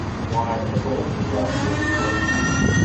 Why, it’s a Looking-glass book, of course!